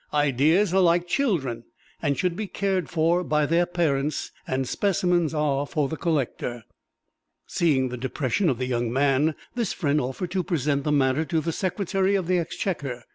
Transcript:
Ideas are like children and should be cared for by their parents, and specimens are for the collector. Seeing the depression of the young man, this friend offered to present the matter to the Secretary of the Exchequer.